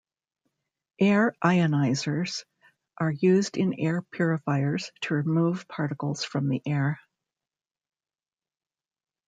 Air ionisers are used in air purifiers to remove particles from air.